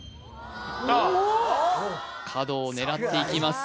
角を狙っていきます